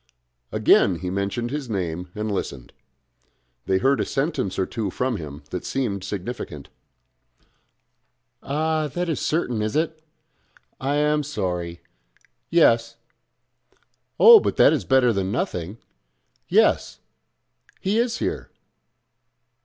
Again he mentioned his name and listened. They heard a sentence or two from him that seemed significant. "Ah! that is certain, is it? I am sorry.... Yes.... Oh! but that is better than nothing.... Yes; he is here....